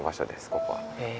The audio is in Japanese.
ここは。へ。